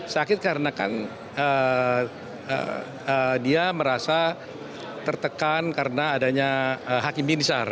sakit karena kan dia merasa tertekan karena adanya hakim binsar